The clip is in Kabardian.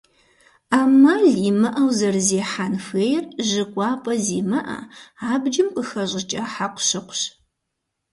Ӏэмал имыӏэу зэрызехьэн хуейр жьы кӏуапӏэ зимыӏэ, абджым къыхэщӏыкӏа хьэкъущыкъущ.